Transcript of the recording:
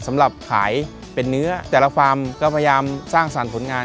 สำหรับขายเป็นเนื้อแต่ละฟาร์มก็พยายามสร้างสรรค์ผลงาน